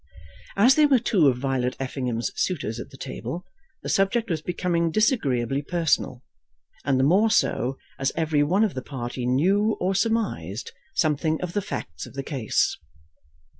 As there were two of Violet Effingham's suitors at table, the subject was becoming disagreeably personal; and the more so, as every one of the party knew or surmised something of the facts of the case.